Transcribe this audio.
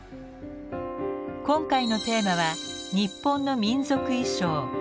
今回のテーマは日本の民族衣装「着物」。